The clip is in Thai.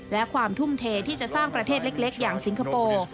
และความทุ่มเทที่จะสร้างประเทศเล็กอย่างสิงคโปร์